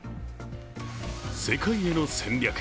世界への戦略。